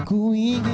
aku ingin ku lupa